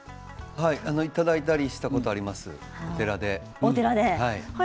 いただいたりしたことはあります、お寺で。